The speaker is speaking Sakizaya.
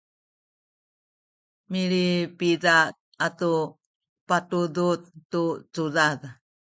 milipida atu patudud tu cudad